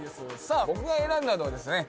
さあ僕が選んだのはですね